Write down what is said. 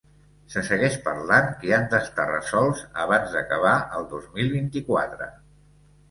Se segueix parlant que han d’estar resolts abans d’acabar el dos mil vint-i-quatre.